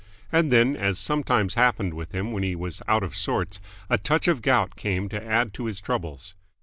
And then, as sometimes happened with him when he was out of sorts, a touch of gout came to add to his troubles.